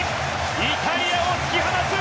イタリアを突き放す！